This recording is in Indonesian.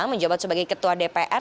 menjabat sebagai ketua dpr